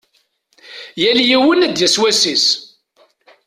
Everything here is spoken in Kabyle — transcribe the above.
Yal yiwen ad d-yas wass-is.